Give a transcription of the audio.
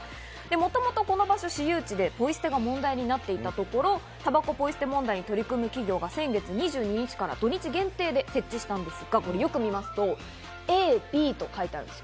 もともとこの場所は私有地でポイ捨てが問題になっていたところ、たばこポイ捨て問題に取り組む企業が先月２２日から土日限定で設置したんです。